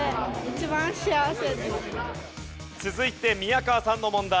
続いて宮川さんの問題。